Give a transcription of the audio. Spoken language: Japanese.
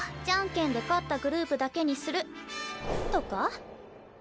じゃんけんで勝ったグループだけにする！とか？